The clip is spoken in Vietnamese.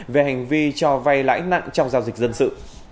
về hành vi cho vay lãi nặng trong giao dịch dân sự